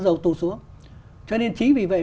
dầu tụt xuống cho nên chỉ vì vậy